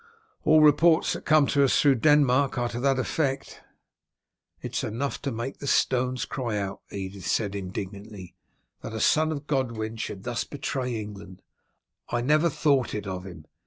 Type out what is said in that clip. "All reports that come to us through Denmark are to that effect." "It is enough to make the stones cry out," Edith said indignantly, "that a son of Godwin should thus betray England. I never thought it of him.